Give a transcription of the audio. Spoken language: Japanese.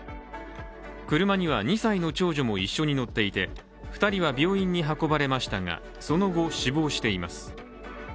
車には２歳の長女も一緒に乗っていて２人は病院に運ばれましたが、その後、死亡しています。